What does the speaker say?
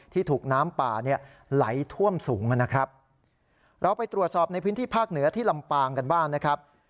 ที่ถูกน้ำป่าเนี่ยไหลท่วมสูงนะครับเราไปตรวจสอบในพื้นที่ภาคเหนือที่ลำปางกันบ้างนะครับ